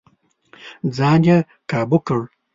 ځان يې کابو کړ.